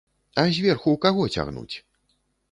А зверху каго цягнуць?